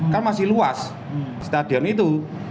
kan masih luas stadion itu